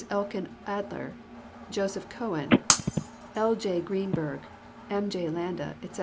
Elkin Adler, Joseph Cowen, L. J. Greenberg, M. J. Landa, etc.